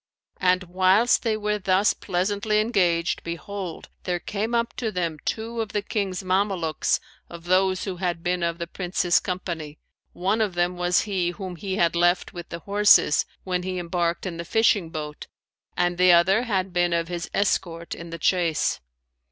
And whilst they were thus pleasantly engaged, behold, there came up to them two of the King's Mamelukes of those who had been of the Prince's company, one of them was he whom he had left with the horses, when he embarked in the fishing boat and the other had been of his escort in the chase.